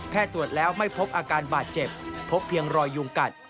ตรวจแล้วไม่พบอาการบาดเจ็บพบเพียงรอยยุงกัด